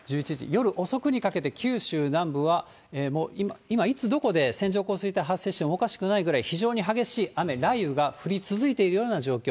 夜遅くにかけて、九州南部は今、いつ、どこで線状降水帯、発生してもおかしくないぐらい非常に激しい雨、雷雨が降り続いているような状況。